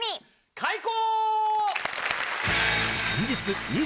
開講！